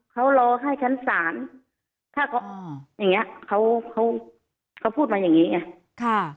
เขารอให้ชั้นสารอ๋ออย่างเงี้ยเขาพูดมาอย่างเงี้ยค่ะ